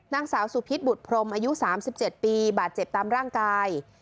นางสาวสุพิษบุตรพรมอายุ๓๗ปีบาดเจ็บตามร่างกาย